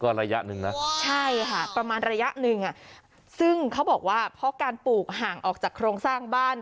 ก็ระยะหนึ่งนะใช่ค่ะประมาณระยะหนึ่งอ่ะซึ่งเขาบอกว่าเพราะการปลูกห่างออกจากโครงสร้างบ้าน